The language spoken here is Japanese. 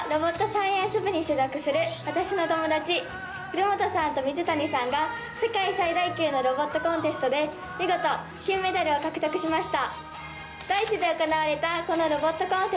私の友達、古本さんと水谷さんが世界最大級のロボットコンテストで見事金メダルを獲得しました。